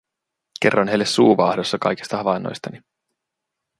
Kerroin heille suu vaahdossa kaikista havainnoistani.